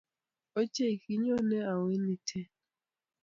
Ochei!kinyone au eng Iten?